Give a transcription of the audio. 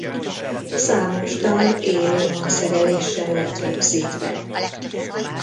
Számos dal élő hangszereléssel lett rögzítve.